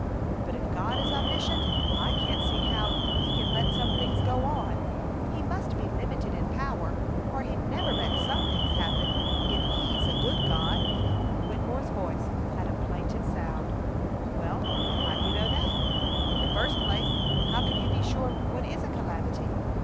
"But if God is omniscient I can't see how He can let some things go on! He must be limited in power or He'd never let some things happen if He's a good God!" Wittemore's voice had a plaintive sound. "Well, how do you know that? In the first place, how can you be sure what is a calamity?